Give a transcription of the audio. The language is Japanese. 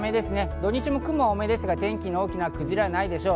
土日も雲が多めですが天気の大きな崩れはないでしょう。